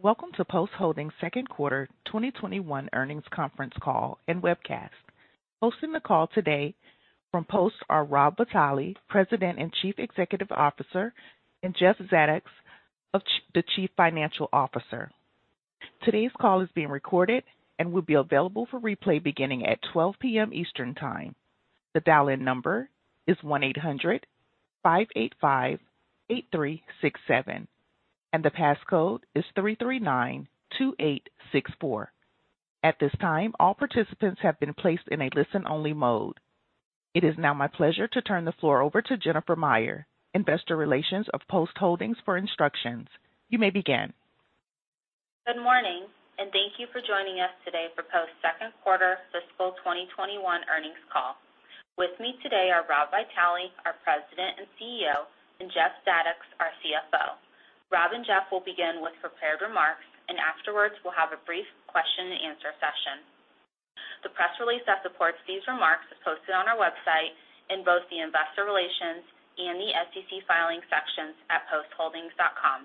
Welcome to Post Holdings' second quarter 2021 earnings conference call and webcast. Hosting the call today from Post are Rob Vitale, President and Chief Executive Officer, and Jeff Zadoks, the Chief Financial Officer. Today's call is being recorded and will be available for replay beginning at 12:00 P.M. Eastern Time. The dialing number is 18005858367 and the passcode is 3392864. At this time, all participants have been placed in a listen-only mode. It is now my pleasure to turn the floor over to Jennifer Meyer, Investor Relations of Post Holdings, for instructions. You may begin. Good morning, and thank you for joining us today for Post's second quarter fiscal 2021 earnings call. With me today are Rob Vitale, our President and CEO, and Jeff Zadoks, our CFO. Rob and Jeff will begin with prepared remarks, and afterwards, we'll have a brief question and answer session. The press release that supports these remarks is posted on our website in both the Investor Relations and the SEC Filings sections at postholdings.com.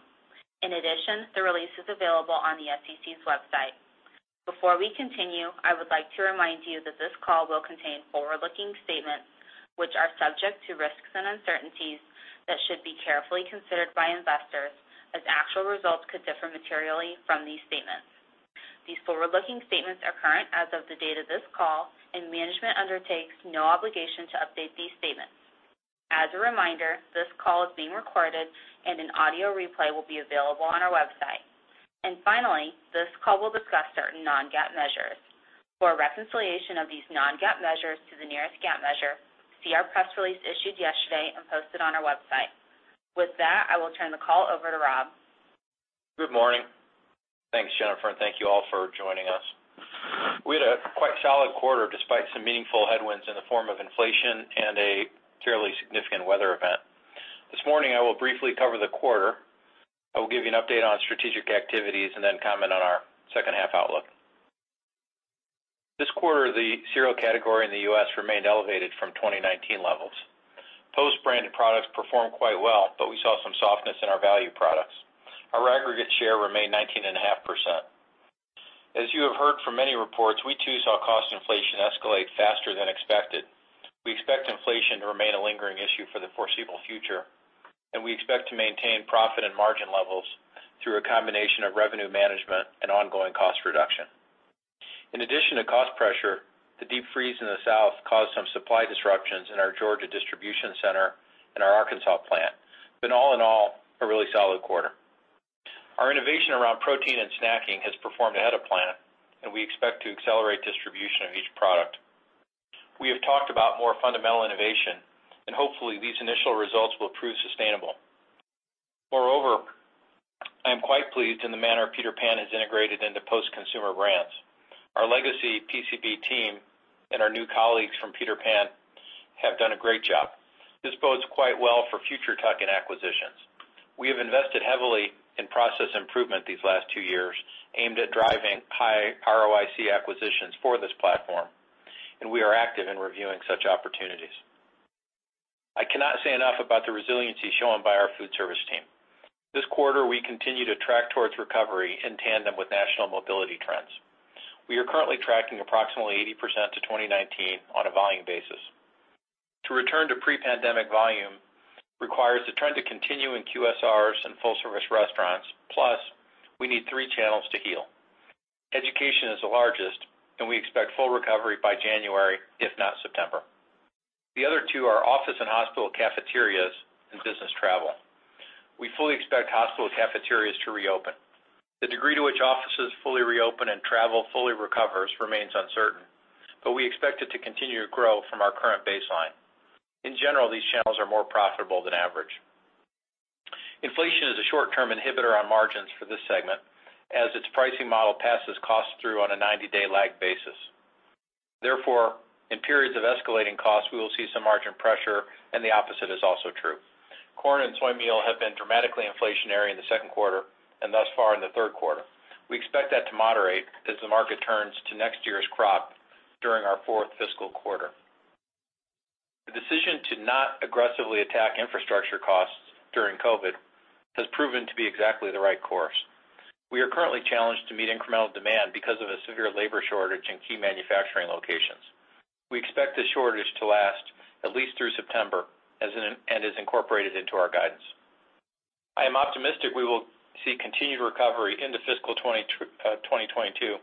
In addition, the release is available on the SEC's website. Before we continue, I would like to remind you that this call will contain forward-looking statements, which are subject to risks and uncertainties that should be carefully considered by investors, as actual results could differ materially from these statements. These forward-looking statements are current as of the date of this call, and management undertakes no obligation to update these statements. As a reminder, this call is being recorded and an audio replay will be available on our website. Finally, this call will discuss certain non-GAAP measures. For a reconciliation of these non-GAAP measures to the nearest GAAP measure, see our press release issued yesterday and posted on our website. With that, I will turn the call over to Rob. Good morning. Thanks, Jennifer, and thank you all for joining us. We had a quite solid quarter despite some meaningful headwinds in the form of inflation and a fairly significant weather event. This morning, I will briefly cover the quarter. I will give you an update on strategic activities and then comment on our second half outlook. This quarter, the cereal category in the U.S. remained elevated from 2019 levels. Post-branded products performed quite well, but we saw some softness in our value products. Our aggregate share remained 19.5%. As you have heard from many reports, we too saw cost inflation escalate faster than expected. We expect inflation to remain a lingering issue for the foreseeable future, and we expect to maintain profit and margin levels through a combination of revenue management and ongoing cost reduction. In addition to cost pressure, the deep freeze in the South caused some supply disruptions in our Georgia distribution center and our Arkansas plant, but all in all, a really solid quarter. Our innovation around protein and snacking has performed ahead of plan, and we expect to accelerate distribution of each product. We have talked about more fundamental innovation, and hopefully, these initial results will prove sustainable. Moreover, I am quite pleased in the manner Peter Pan has integrated into Post Consumer Brands. Our legacy PCB team and our new colleagues from Peter Pan have done a great job. This bodes quite well for future tuck-in acquisitions. We have invested heavily in process improvement these last two years aimed at driving high ROIC acquisitions for this platform, and we are active in reviewing such opportunities. I cannot say enough about the resiliency shown by our food service team. This quarter, we continue to track towards recovery in tandem with national mobility trends. We are currently tracking approximately 80% to 2019 on a volume basis. To return to pre-pandemic volume requires the trend to continue in QSRs and full-service restaurants, plus we need three channels to heal. Education is the largest, and we expect full recovery by January, if not September. The other two are office and hospital cafeterias and business travel. We fully expect hospital cafeterias to reopen. The degree to which offices fully reopen and travel fully recovers remains uncertain, but we expect it to continue to grow from our current baseline. In general, these channels are more profitable than average. Inflation is a short-term inhibitor on margins for this segment, as its pricing model passes costs through on a 90-day lag basis. Therefore, in periods of escalating costs, we will see some margin pressure, and the opposite is also true. Corn and soy meal have been dramatically inflationary in the second quarter and thus far in the third quarter. We expect that to moderate as the market turns to next year's crop during our fourth fiscal quarter. The decision to not aggressively attack infrastructure costs during COVID has proven to be exactly the right course. We are currently challenged to meet incremental demand because of a severe labor shortage in key manufacturing locations. We expect this shortage to last at least through September and is incorporated into our guidance. I am optimistic we will see continued recovery into fiscal 2022,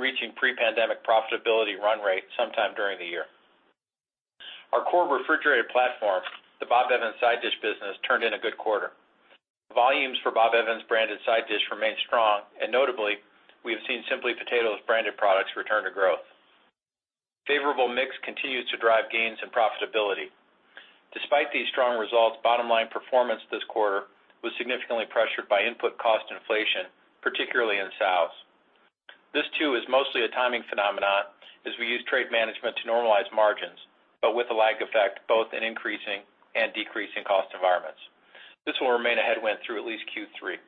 reaching pre-pandemic profitability run rate sometime during the year. Our core refrigerated platform, the Bob Evans side dish business, turned in a good quarter. Volumes for Bob Evans branded side dish remained strong. Notably, we have seen Simply Potatoes branded products return to growth. Favorable mix continues to drive gains and profitability. Despite these strong results, bottom-line performance this quarter was significantly pressured by input cost inflation, particularly in the South. This too is mostly a timing phenomenon as we use trade management to normalize margins, with a lag effect both in increasing and decreasing cost environments. This will remain a headwind through at least Q3.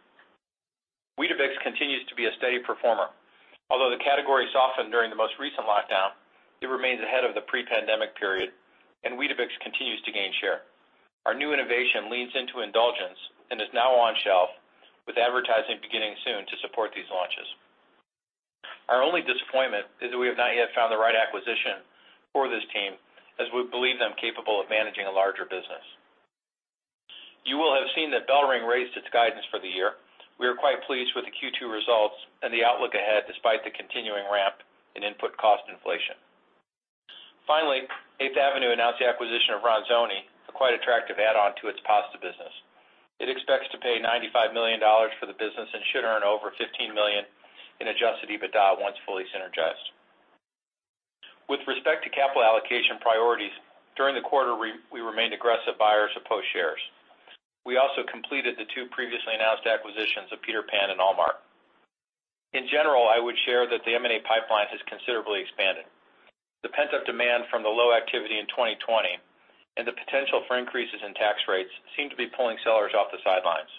Weetabix continues to be a steady performer. Although the category softened during the most recent lockdown, it remains ahead of the pre-pandemic period. Weetabix continues to gain share. Our new innovation leans into indulgence and is now on shelf with advertising beginning soon to support these launches. Our only disappointment is that we have not yet found the right acquisition for this team as we believe them capable of managing a larger business. You will have seen that BellRing raised its guidance for the year. We are quite pleased with the Q2 results and the outlook ahead despite the continuing ramp in input cost inflation. 8th Avenue announced the acquisition of Ronzoni, a quite attractive add-on to its pasta business. It expects to pay $95 million for the business and should earn over $15 million in adjusted EBITDA once fully synergized. With respect to capital allocation priorities, during the quarter, we remained aggressive buyers of Post shares. We also completed the two previously announced acquisitions of Peter Pan and Almark. In general, I would share that the M&A pipeline has considerably expanded. The pent-up demand from the low activity in 2020 and the potential for increases in tax rates seem to be pulling sellers off the sidelines.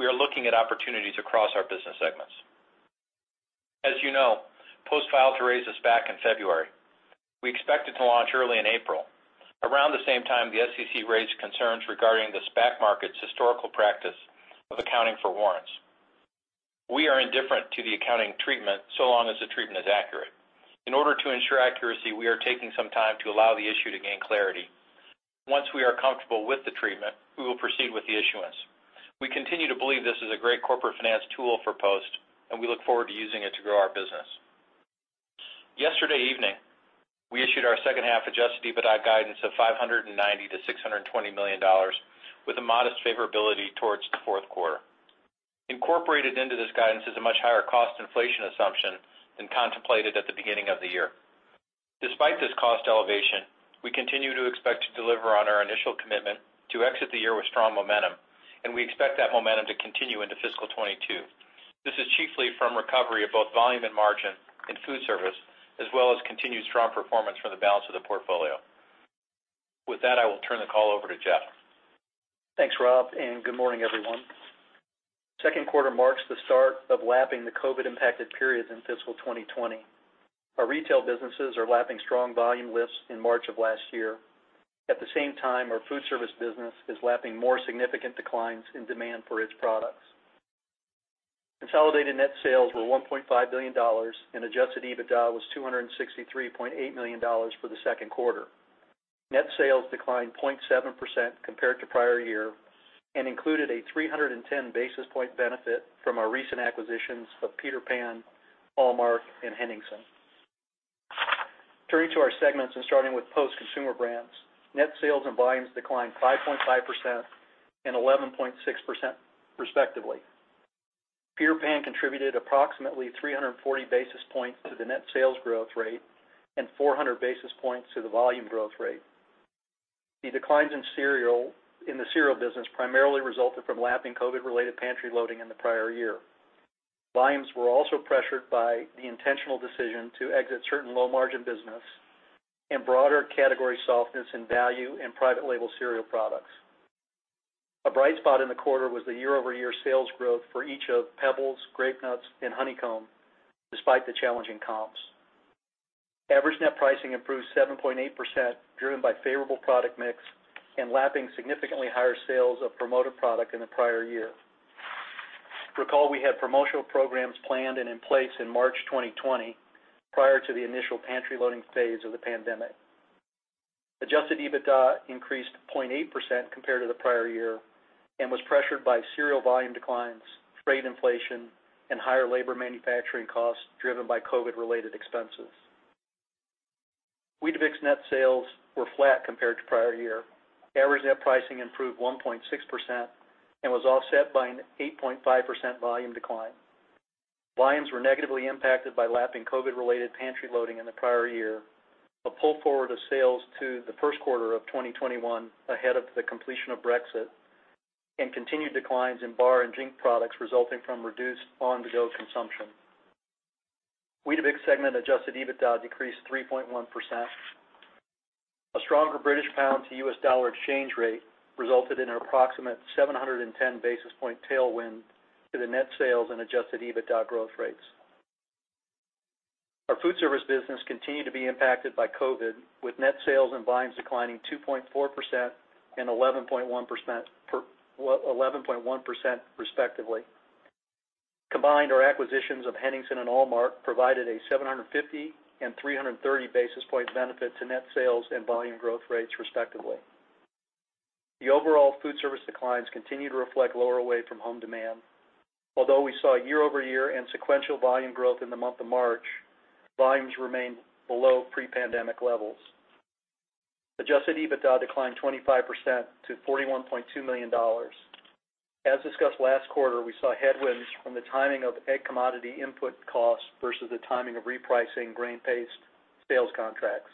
We are looking at opportunities across our business segments. As you know, Post filed to raise a SPAC in February. We expected to launch early in April. Around the same time, the SEC raised concerns regarding the SPAC market's historical practice of accounting for warrants. We are indifferent to the accounting treatment so long as the treatment is accurate. In order to ensure accuracy, we are taking some time to allow the issue to gain clarity. Once we are comfortable with the treatment, we will proceed with the issuance. We continue to believe this is a great corporate finance tool for Post, and we look forward to using it to grow our business. Yesterday evening, we issued our second half adjusted EBITDA guidance of $590 million-$620 million with a modest favorability towards the fourth quarter. Incorporated into this guidance is a much higher cost inflation assumption than contemplated at the beginning of the year. Despite this cost elevation, we continue to expect to deliver on our initial commitment to exit the year with strong momentum, and we expect that momentum to continue into fiscal 2022. This is chiefly from recovery of both volume and margin in food service, as well as continued strong performance for the balance of the portfolio. With that, I will turn the call over to Jeff. Thanks, Rob, and good morning, everyone. Second quarter marks the start of lapping the COVID-impacted periods in fiscal 2020. Our retail businesses are lapping strong volume lifts in March of last year. At the same time, our food service business is lapping more significant declines in demand for its products. Consolidated net sales were $1.5 billion, and adjusted EBITDA was $263.8 million for the second quarter. Net sales declined 0.7% compared to prior year and included a 310 basis point benefit from our recent acquisitions of Peter Pan, Almark and Henningsen. Turning to our segments and starting with Post Consumer Brands, net sales and volumes declined 5.5% and 11.6% respectively. Peter Pan contributed approximately 340 basis points to the net sales growth rate and 400 basis points to the volume growth rate. The declines in the cereal business primarily resulted from lapping COVID-related pantry loading in the prior year. Volumes were also pressured by the intentional decision to exit certain low-margin business and broader category softness in value and private label cereal products. A bright spot in the quarter was the year-over-year sales growth for each of Pebbles, Grape-Nuts, and Honeycomb, despite the challenging comps. Average net pricing improved 7.8%, driven by favorable product mix and lapping significantly higher sales of promoted product in the prior year. Recall, we had promotional programs planned and in place in March 2020 prior to the initial pantry loading phase of the pandemic. Adjusted EBITDA increased 0.8% compared to the prior year and was pressured by cereal volume declines, freight inflation, and higher labor manufacturing costs driven by COVID-related expenses. Weetabix net sales were flat compared to prior year. Average net pricing improved 1.6% and was offset by an 8.5% volume decline. Volumes were negatively impacted by lapping COVID-related pantry loading in the prior year, a pull forward of sales to the first quarter of 2021 ahead of the completion of Brexit, and continued declines in bar and drink products resulting from reduced on-the-go consumption. Weetabix segment adjusted EBITDA decreased 3.1%. A stronger British pound to US dollar exchange rate resulted in an approximate 710 basis point tailwind to the net sales and adjusted EBITDA growth rates. Our food service business continued to be impacted by COVID, with net sales and volumes declining 2.4% and 11.1%, respectively. Combined, our acquisitions of Henningsen and Almark provided a 750 basis point and 330 basis point benefit to net sales and volume growth rates, respectively. The overall food service declines continue to reflect lower away from home demand. Although we saw year-over-year and sequential volume growth in the month of March, volumes remained below pre-pandemic levels. Adjusted EBITDA declined 25% to $41.2 million. As discussed last quarter, we saw headwinds from the timing of egg commodity input costs versus the timing of repricing grain-based sales contracts.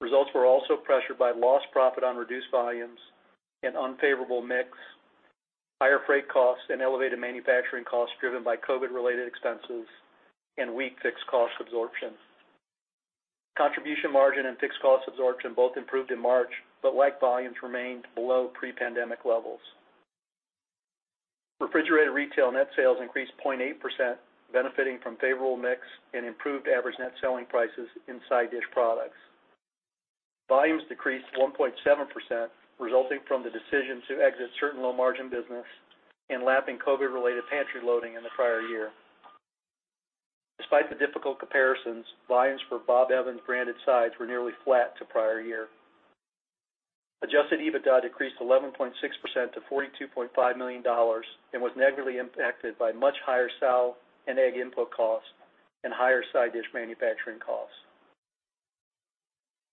Results were also pressured by lost profit on reduced volumes and unfavorable mix, higher freight costs, and elevated manufacturing costs driven by COVID-related expenses and weak fixed cost absorption. Contribution margin and fixed cost absorption both improved in March, like volumes remained below pre-pandemic levels. Refrigerated retail net sales increased 0.8%, benefiting from favorable mix and improved average net selling prices in side dish products. Volumes decreased 1.7%, resulting from the decision to exit certain low-margin business and lapping COVID-related pantry loading in the prior year. Despite the difficult comparisons, volumes for Bob Evans branded sides were nearly flat to prior year. Adjusted EBITDA decreased 11.6% to $42.5 million and was negatively impacted by much higher sow and egg input costs and higher side dish manufacturing costs.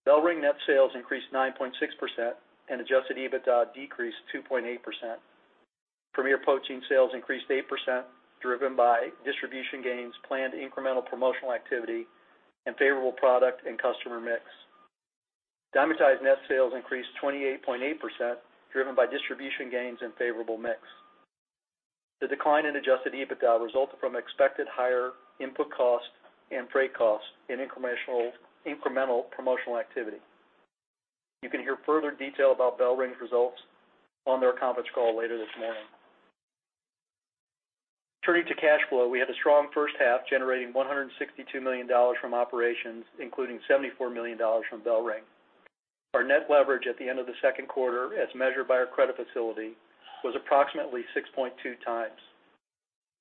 BellRing net sales increased 9.6%, and adjusted EBITDA decreased 2.8%. Premier Protein sales increased 8%, driven by distribution gains, planned incremental promotional activity, and favorable product and customer mix. Dymatize net sales increased 28.8%, driven by distribution gains and favorable mix. The decline in adjusted EBITDA resulted from expected higher input costs and freight costs in incremental promotional activity. You can hear further detail about BellRing's results on their conference call later this morning. Turning to cash flow, we had a strong first half, generating $162 million from operations, including $74 million from BellRing. Our net leverage at the end of the second quarter, as measured by our credit facility, was approximately 6.2x.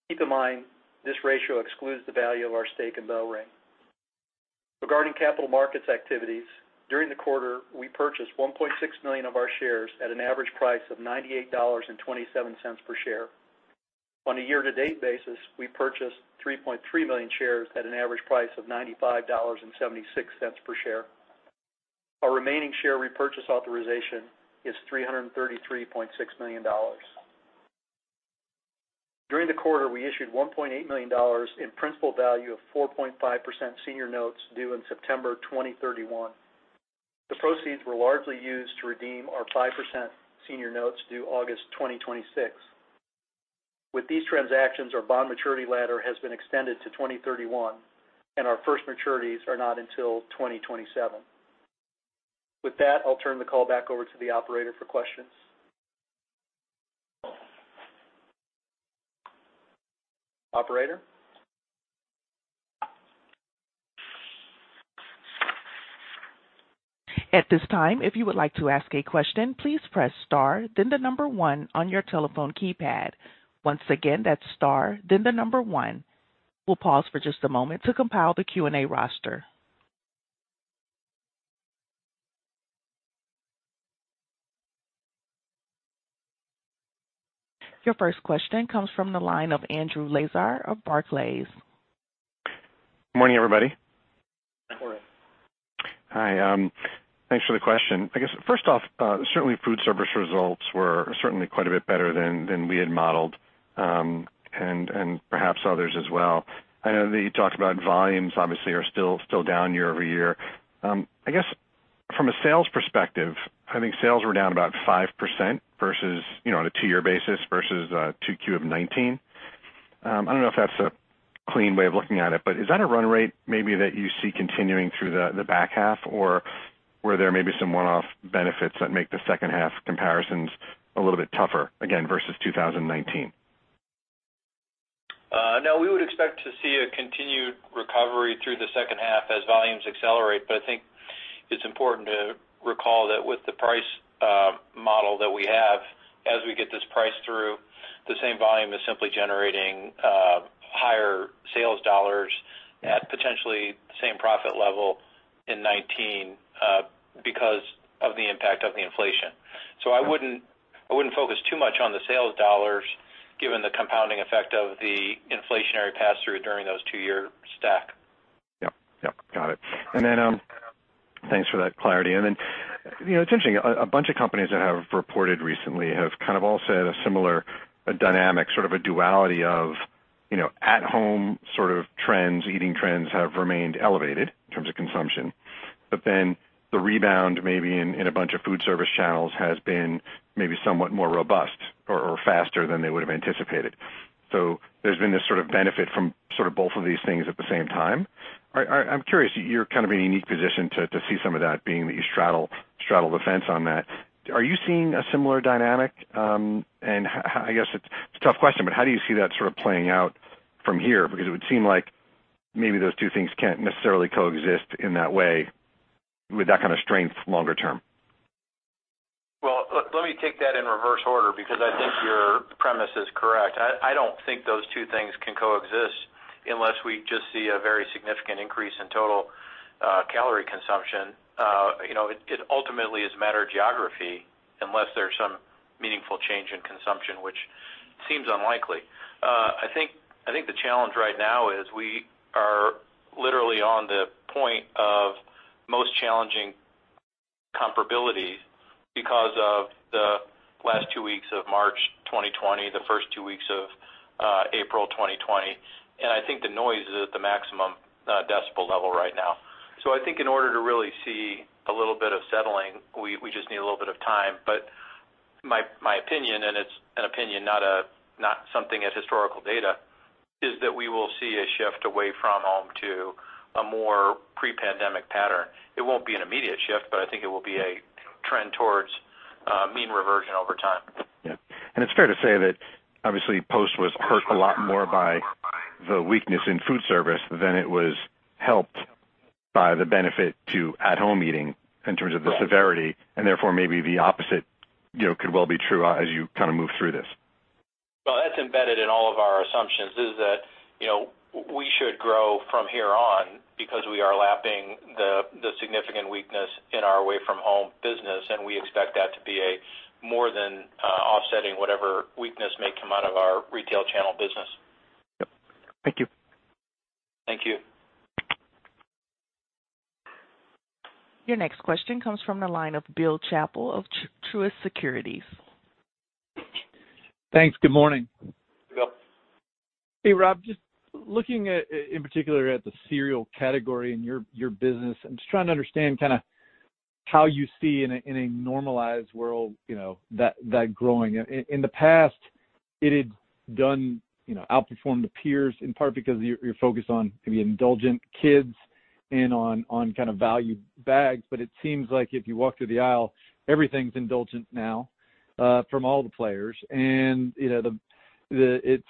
Keep in mind, this ratio excludes the value of our stake in BellRing. Regarding capital markets activities, during the quarter, we purchased 1.6 million of our shares at an average price of $98.27 per share. On a year-to-date basis, we purchased 3.3 million shares at an average price of $95.76 per share. Our remaining share repurchase authorization is $333.6 million. During the quarter, we issued $1.8 million in principal value of 4.5% senior notes due in September 2031. The proceeds were largely used to redeem our 5% senior notes due August 2026. With these transactions, our bond maturity ladder has been extended to 2031, and our first maturities are not until 2027. With that, I'll turn the call back over to the operator for questions. Operator? At this time if you'd like to ask a question please press star then the number one on your telephone keypad. Once again that's star then the number one. We'll pause for just a moment to compile the Q&A roster. Your first question comes from the line of Andrew Lazar of Barclays. Morning, everybody. Morning. Hi. Thanks for the question. I guess, first off, certainly food service results were certainly quite a bit better than we had modeled, and perhaps others as well. I know that you talked about volumes obviously are still down year-over-year. I guess from a sales perspective, I think sales were down about 5% on a two year basis versus 2Q of 2019. I don't know if that's a clean way of looking at it, but is that a run rate maybe that you see continuing through the back half? Or were there maybe some one-off benefits that make the second half comparisons a little bit tougher, again, versus 2019? We would expect to see a continued recovery through the second half as volumes accelerate. I think it's important to recall that with the price model that we have, as we get this price through, the same volume is simply generating higher sales dollars at potentially the same profit level in 2019 because of the impact of the inflation. I wouldn't focus too much on the sales dollars given the compounding effect of the inflationary pass-through during those two year stack. Yep. Got it. Thanks for that clarity. It's interesting, a bunch of companies that have reported recently have kind of all said a similar dynamic, sort of a duality of at home sort of trends, eating trends have remained elevated in terms of consumption. The rebound maybe in a bunch of food service channels has been maybe somewhat more robust or faster than they would've anticipated. There's been this sort of benefit from sort of both of these things at the same time. I'm curious, you're kind of in a unique position to see some of that, being that you straddle the fence on that. Are you seeing a similar dynamic? I guess it's a tough question, but how do you see that sort of playing out from here? It would seem like maybe those two things can't necessarily coexist in that way with that kind of strength longer term. Let me take that in reverse order because I think your premise is correct. I don't think those two things can coexist unless we just see a very significant increase in total calorie consumption. It ultimately is a matter of geography unless there's some meaningful change in consumption, which seems unlikely. I think the challenge right now is we are literally on the point of most challenging comparability because of the last two weeks of March 2020, the first two weeks of April 2020, and I think the noise is at the maximum decibel level right now. I think in order to really see a little bit of settling, we just need a little bit of time. My opinion, and it's an opinion, not something as historical data Is that we will see a shift away from home to a more pre-pandemic pattern. It won't be an immediate shift, but I think it will be a trend towards mean reversion over time. Yeah. It's fair to say that obviously Post was hurt a lot more by the weakness in food service than it was helped by the benefit to at-home eating in terms of the severity. Therefore maybe the opposite could well be true as you move through this. Well, that's embedded in all of our assumptions is that, we should grow from here on because we are lapping the significant weakness in our away-from-home business, and we expect that to be a more than offsetting whatever weakness may come out of our retail channel business. Yep. Thank you. Thank you. Your next question comes from the line of Bill Chappell of Truist Securities. Thanks. Good morning. Bill. Hey, Rob, just looking in particular at the cereal category in your business, I'm just trying to understand how you see in a normalized world that growing. In the past it had outperformed the peers, in part because you're focused on maybe indulgent kids and on value bags. It seems like if you walk through the aisle, everything's indulgent now from all the players. It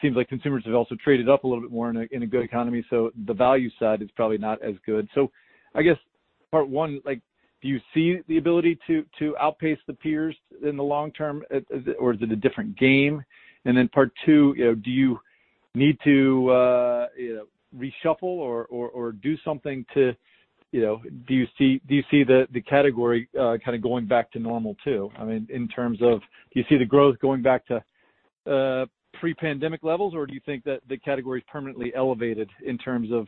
seems like consumers have also traded up a little bit more in a good economy. The value side is probably not as good. I guess part one, do you see the ability to outpace the peers in the long term, or is it a different game? Then part two, do you need to reshuffle or do something, do you see the category going back to normal, too? In terms of, do you see the growth going back to pre-pandemic levels or do you think that the category is permanently elevated in terms of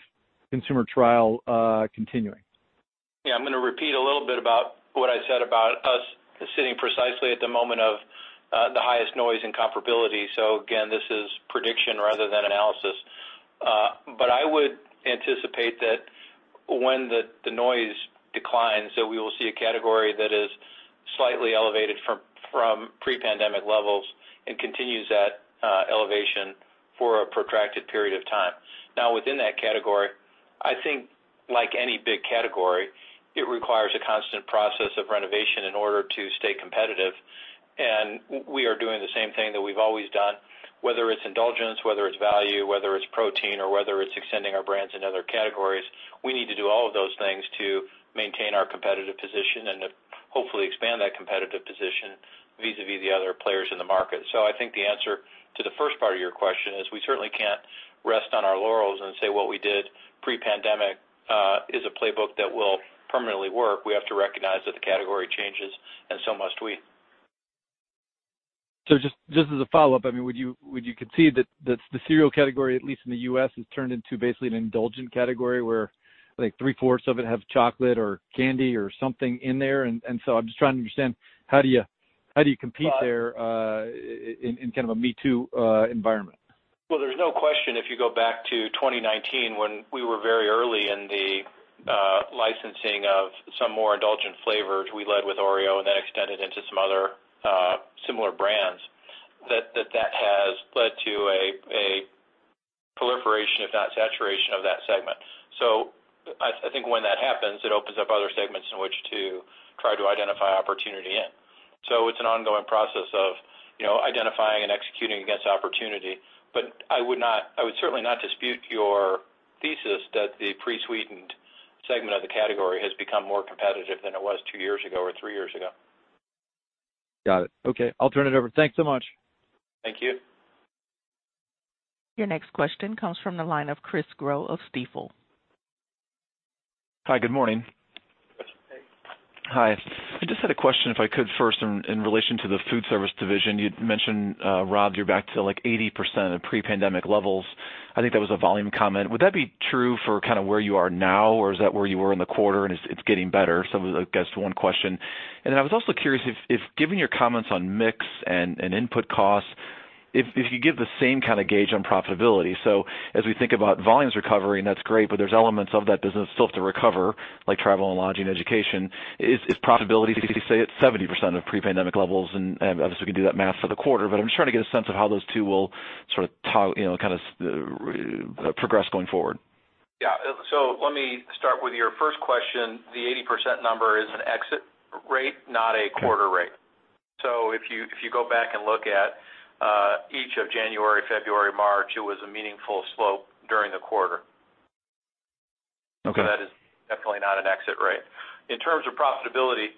consumer trial continuing? Yeah, I'm going to repeat a little bit about what I said about us sitting precisely at the moment of the highest noise and comparability. Again, this is prediction rather than analysis. I would anticipate that when the noise declines, that we will see a category that is slightly elevated from pre-pandemic levels and continues that elevation for a protracted period of time. Within that category, I think like any big category, it requires a constant process of renovation in order to stay competitive, and we are doing the same thing that we've always done, whether it's indulgence, whether it's value, whether it's protein or whether it's extending our brands into other categories. We need to do all of those things to maintain our competitive position and to hopefully expand that competitive position vis-a-vis the other players in the market. I think the answer to the first part of your question is we certainly can't rest on our laurels and say what we did pre-pandemic is a playbook that will permanently work. We have to recognize that the category changes and so must we. Just as a follow-up, would you concede that the cereal category, at least in the U.S., has turned into basically an indulgent category where three-fourths of it have chocolate or candy or something in there? I'm just trying to understand how do you compete there in kind of a me too environment? Well, there's no question, if you go back to 2019 when we were very early in the licensing of some more indulgent flavors, we led with Oreo and then extended into some other similar brands that that has led to a proliferation, if not saturation of that segment. I think when that happens, it opens up other segments in which to try to identify opportunity in. It's an ongoing process of identifying and executing against opportunity. I would certainly not dispute your thesis that the pre-sweetened segment of the category has become more competitive than it was two years ago or three years ago. Got it. Okay, I'll turn it over. Thanks so much. Thank you. Your next question comes from the line of Chris Growe of Stifel. Hi, good morning. Hi. I just had a question, if I could first, in relation to the food service division. You'd mentioned, Rob, you're back to 80% of pre-pandemic levels. I think that was a volume comment. Would that be true for where you are now or is that where you were in the quarter and it's getting better? That's one question. I was also curious if given your comments on mix and input costs, if you give the same kind of gauge on profitability. As we think about volumes recovering, that's great, but there's elements of that business still have to recover, like travel and lodging, education. Is profitability, say, at 70% of pre-pandemic levels? Obviously, we can do that math for the quarter, but I'm just trying to get a sense of how those two will kind of progress going forward. Yeah. Let me start with your first question. The 80% number is an exit rate, not a quarter rate. Okay. If you go back and look at each of January, February, March, it was a meaningful slope during the quarter. Okay. That is definitely not an exit rate. In terms of profitability,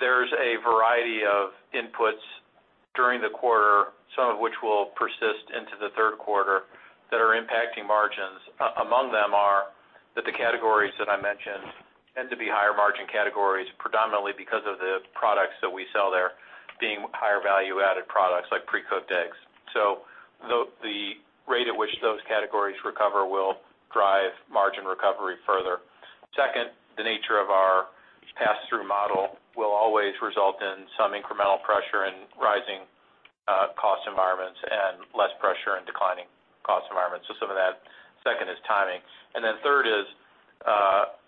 there is a variety of inputs during the quarter, some of which will persist into the third quarter that are impacting margins. Among them are that the categories that I mentioned tend to be higher margin categories, predominantly because of the products that we sell there being higher value-added products like pre-cooked eggs. The rate at which those categories recover will drive margin recovery further. Second, the nature of our pass-through model will always result in some incremental pressure in rising cost environments and less pressure in declining cost environments. Some of that second is timing. Then third is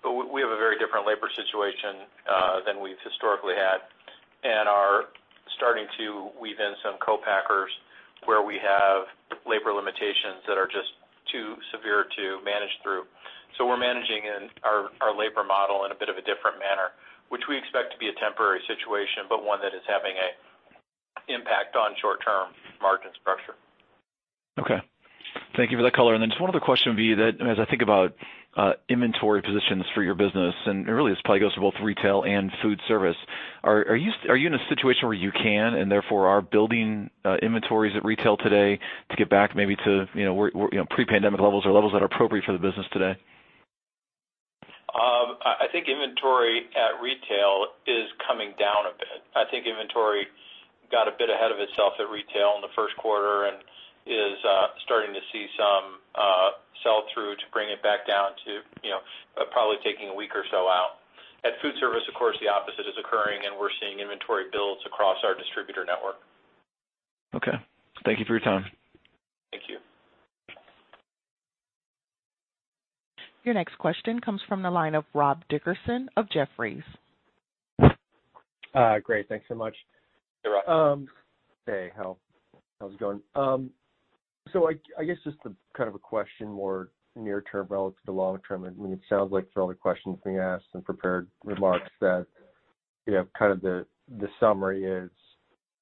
very different labor situation than we have historically had and are starting to weave in some co-packers where we have labor limitations that are just too severe to manage through. We're managing our labor model in a bit of a different manner, which we expect to be a temporary situation, but one that is having a impact on short-term margin structure. Okay. Thank you for that color. Just one other question would be that as I think about inventory positions for your business, and really this probably goes for both retail and food service, are you in a situation where you can and therefore are building inventories at retail today to get back maybe to pre-pandemic levels or levels that are appropriate for the business today? I think inventory at retail is coming down a bit. I think inventory got a bit ahead of itself at retail in the first quarter and is starting to see some sell-through to bring it back down to probably taking a week or so out. At food service, of course, the opposite is occurring and we're seeing inventory builds across our distributor network. Okay. Thank you for your time. Thank you. Your next question comes from the line of Rob Dickerson of Jefferies. Great. Thanks so much. Hey, Rob. Hey, how's it going? I guess just the kind of a question more near term relative to long term. I mean, it sounds like for all the questions being asked and prepared remarks that kind of the summary is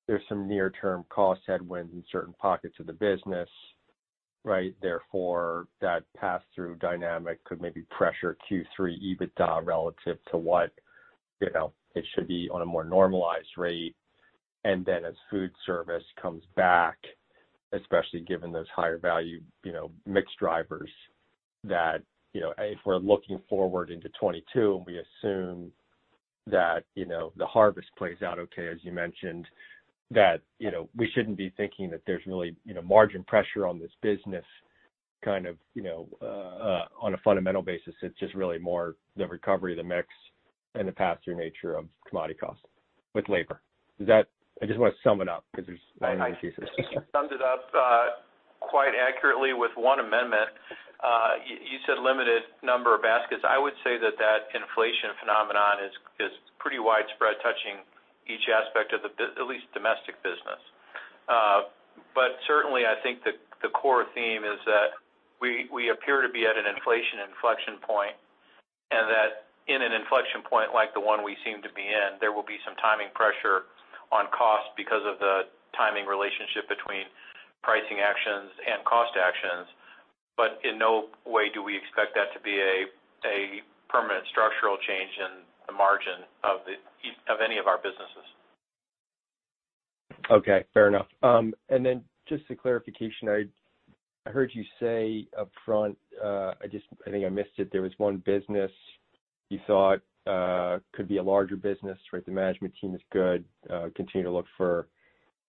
there's some near term cost headwinds in certain pockets of the business. That pass-through dynamic could maybe pressure Q3 EBITDA relative to what it should be on a more normalized rate. As food service comes back, especially given those higher value mix drivers that if we're looking forward into 2022, and we assume that the harvest plays out okay, as you mentioned, that we shouldn't be thinking that there's really margin pressure on this business on a fundamental basis. It's just really more the recovery of the mix and the pass-through nature of commodity costs with labor. I just want to sum it up because there's many moving pieces. You summed it up quite accurately with one amendment. You said limited number of baskets. I would say that that inflation phenomenon is pretty widespread, touching each aspect of at least domestic business. Certainly, I think the core theme is that we appear to be at an inflation inflection point, and that in an inflection point like the one we seem to be in, there will be some timing pressure on cost because of the timing relationship between pricing actions and cost actions. In no way do we expect that to be a permanent structural change in the margin of any of our businesses. Okay. Fair enough. Just a clarification. I heard you say upfront, I think I missed it, there was one business you thought could be a larger business, the management team is good, continue to look for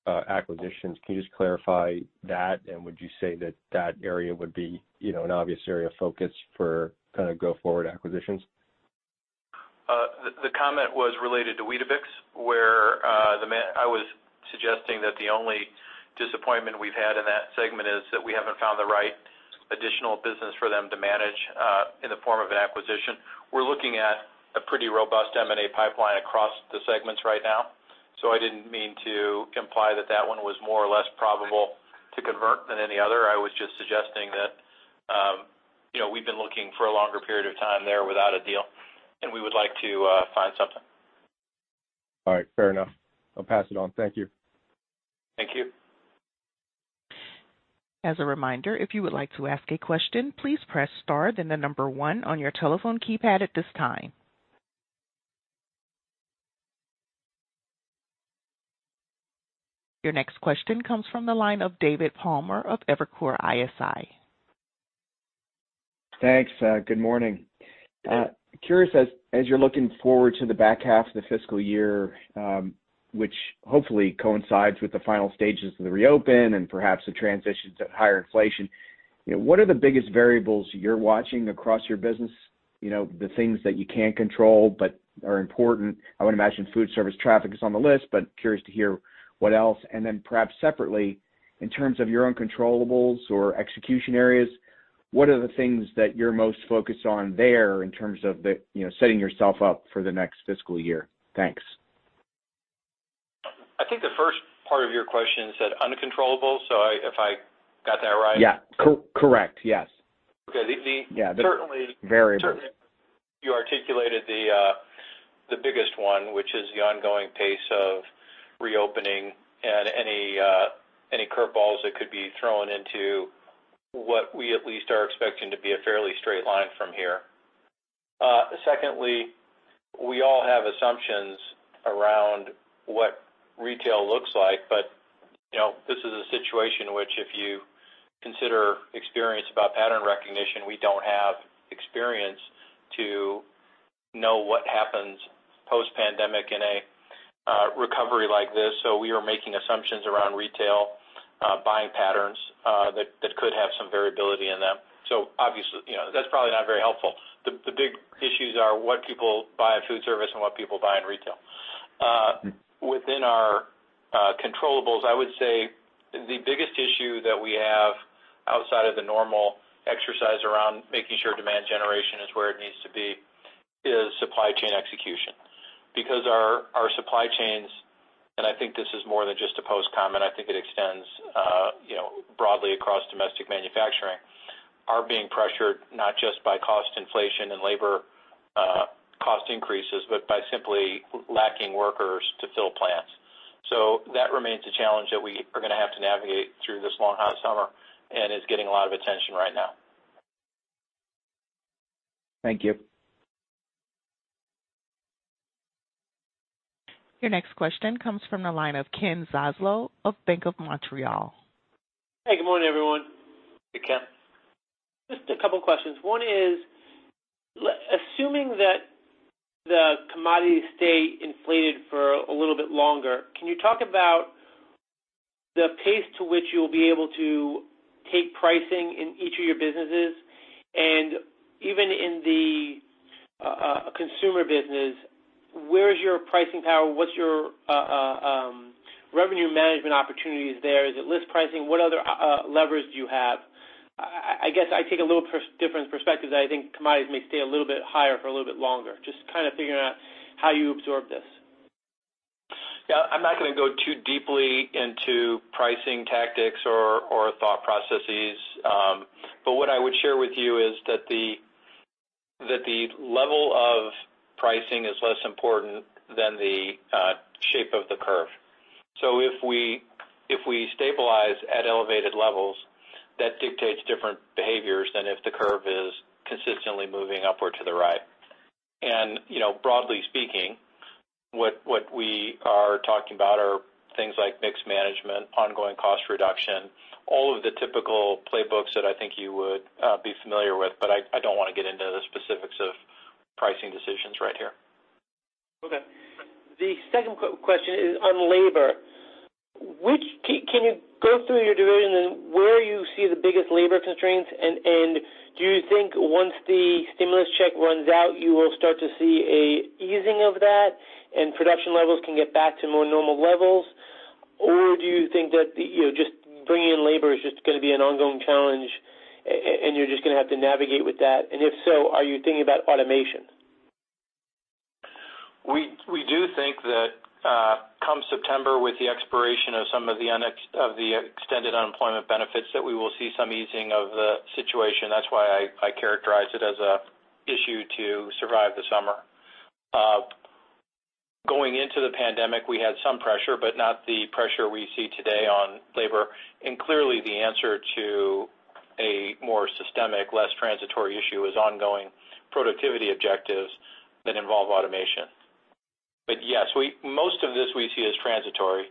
acquisitions. Can you just clarify that? Would you say that that area would be an obvious area of focus for kind of go forward acquisitions? The comment was related to Weetabix, where I was suggesting that the only disappointment we've had in that segment is that we haven't found the right additional business for them to manage in the form of an acquisition. We're looking at a pretty robust M&A pipeline across the segments right now. I didn't mean to imply that that one was more or less probable to convert than any other. I was just suggesting that we've been looking for a longer period of time there without a deal, and we would like to find something. All right. Fair enough. I'll pass it on. Thank you. Thank you. Your next question comes from the line of David Palmer of Evercore ISI. Thanks. Good morning. Curious as you're looking forward to the back half of the fiscal year, which hopefully coincides with the final stages of the reopen and perhaps the transition to higher inflation, what are the biggest variables you're watching across your business? The things that you can't control but are important. I would imagine food service traffic is on the list, but curious to hear what else. Perhaps separately, in terms of your uncontrollables or execution areas, what are the things that you're most focused on there in terms of setting yourself up for the next fiscal year? Thanks. I think the first part of your question said uncontrollable. If I got that right? Yeah. Correct. Yes. Okay. Certainly- Variables -you articulated the biggest one, which is the ongoing pace of reopening and any curve balls that could be thrown into what we at least are expecting to be a fairly straight line from here. Secondly, we all have assumptions around what retail looks like, but this is a situation which if you consider experience about pattern recognition, we don't have experience to know what happens post-pandemic in a recovery like this. We are making assumptions around retail buying patterns that could have some variability in them. Obviously, that's probably not very helpful. The big issues are what people buy in foodservice and what people buy in retail. Within our controllables, I would say the biggest issue that we have outside of the normal exercise around making sure demand generation is where it needs to be is supply chain execution. Because our supply chains, and I think this is more than just a Post comment, I think it extends broadly across domestic manufacturing, are being pressured not just by cost inflation and labor cost increases, but by simply lacking workers to fill plants. That remains a challenge that we are going to have to navigate through this long, hot summer and is getting a lot of attention right now. Thank you. Your next question comes from the line of Ken Zaslow of Bank of Montreal. Hey, good morning, everyone. Hey, Ken. Just a couple of questions. One is, assuming that the commodities stay inflated for a little bit longer, can you talk about the pace to which you'll be able to take pricing in each of your businesses? Even in the consumer business, where is your pricing power? What's your revenue management opportunities there? Is it list pricing? What other levers do you have? I guess I take a little different perspective that I think commodities may stay a little bit higher for a little bit longer, just kind of figuring out how you absorb this. Yeah, I'm not going to go too deeply into pricing tactics or thought processes. What I would share with you is that the level of pricing is less important than the shape of the curve. If we stabilize at elevated levels, that dictates different behaviors than if the curve is consistently moving upward to the right. Broadly speaking, what we are talking about are things like mix management, ongoing cost reduction, all of the typical playbooks that I think you would be familiar with. I don't want to get into the specifics of pricing decisions right here. Okay. The second question is on labor. Can you go through your division and where you see the biggest labor constraints, and do you think once the stimulus check runs out, you will start to see an easing of that and production levels can get back to more normal levels? Do you think that just bringing in labor is just going to be an ongoing challenge, and you're just going to have to navigate with that? If so, are you thinking about automation? We do think that come September, with the expiration of some of the extended unemployment benefits, that we will see some easing of the situation. That's why I characterize it as an issue to survive the summer. Going into the pandemic, we had some pressure, but not the pressure we see today on labor. Clearly the answer to a more systemic, less transitory issue is ongoing productivity objectives that involve automation. Yes, most of this we see as transitory.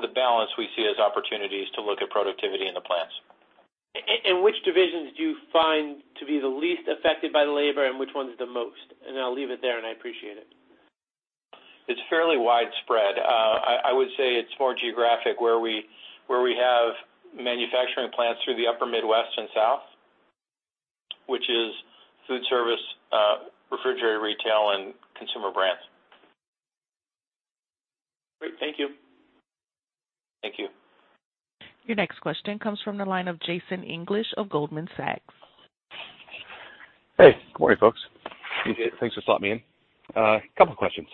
The balance we see as opportunities to look at productivity in the plants. Which divisions do you find to be the least affected by labor and which ones the most? I'll leave it there, and I appreciate it. It's fairly widespread. I would say it's more geographic where we have manufacturing plants through the upper Midwest and South, which is food service, refrigerator retail, and consumer brands. Great. Thank you. Thank you. Your next question comes from the line of Jason English of Goldman Sachs. Hey, good morning, folks. Thanks for slotting me in. A couple of questions.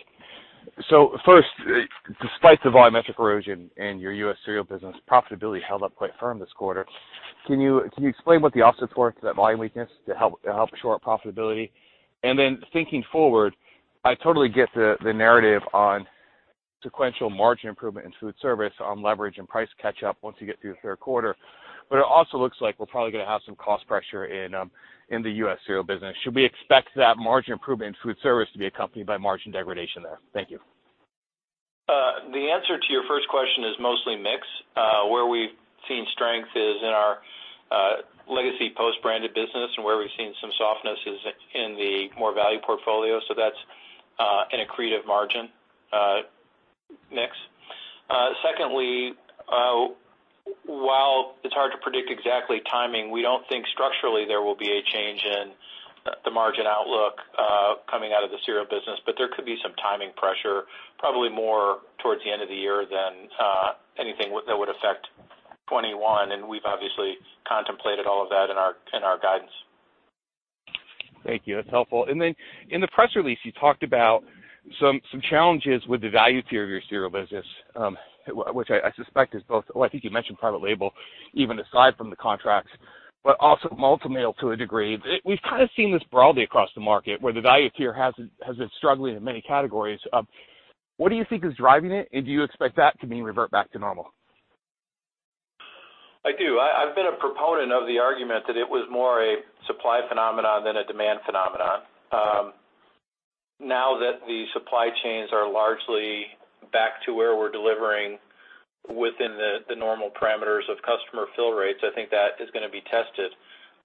First, despite the volumetric erosion in your U.S. cereal business, profitability held up quite firm this quarter. Can you explain what the offsets were to that volume weakness to help shore up profitability? Thinking forward, I totally get the narrative on sequential margin improvement in food service on leverage and price catch-up once you get through the third quarter. It also looks like we're probably going to have some cost pressure in the U.S. cereal business. Should we expect that margin improvement in food service to be accompanied by margin degradation there? Thank you. The answer to your first question is mostly mix. Where we've seen strength is in our legacy Post branded business, and where we've seen some softness is in the more value portfolio. That's an accretive margin mix. Secondly, while it's hard to predict exactly timing, we don't think structurally there will be a change in the margin outlook coming out of the cereal business. There could be some timing pressure, probably more towards the end of the year than anything that would affect 2021. We've obviously contemplated all of that in our guidance. Thank you. That's helpful. In the press release, you talked about some challenges with the value tier of your cereal business, which I suspect is both, well, I think you mentioned private label, even aside from the contracts, but also Malt-O-Meal to a degree. We've kind of seen this broadly across the market where the value tier has been struggling in many categories. What do you think is driving it, and do you expect that to revert back to normal? I do. I've been a proponent of the argument that it was more a supply phenomenon than a demand phenomenon. Now that the supply chains are largely back to where we're delivering within the normal parameters of customer fill rates, I think that is going to be tested.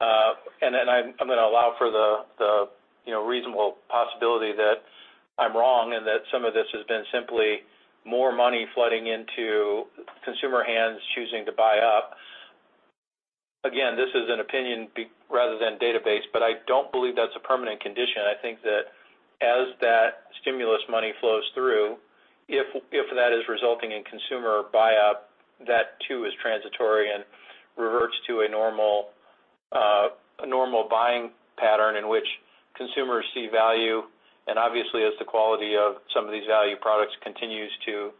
I'm going to allow for the reasonable possibility that I'm wrong and that some of this has been simply more money flooding into consumer hands choosing to buy up. Again, this is an opinion rather than data-based, but I don't believe that's a permanent condition. I think that as that stimulus money flows through, if that is resulting in consumer buy-up, that too is transitory and reverts to a normal buying pattern in which consumers see value. Obviously, as the quality of some of these value products continues to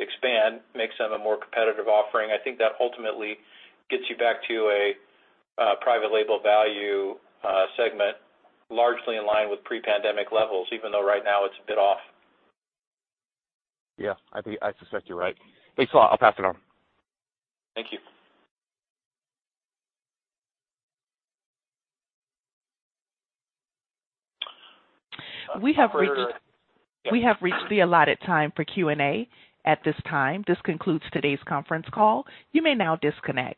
expand, makes them a more competitive offering. I think that ultimately gets you back to a private label value segment largely in line with pre-pandemic levels, even though right now it's a bit off. Yeah. I suspect you're right. Thanks a lot. I'll pass it on. Thank you. We have reached the allotted time for Q&A. At this time, this concludes today's conference call. You may now disconnect.